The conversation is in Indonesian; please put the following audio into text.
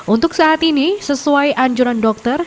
untuk saat ini sesuai anjuran dokter